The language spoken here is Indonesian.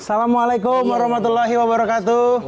assalamualaikum warahmatullahi wabarakatuh